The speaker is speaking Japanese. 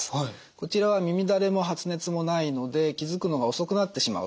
こちらは耳だれも発熱もないので気付くのが遅くなってしまう。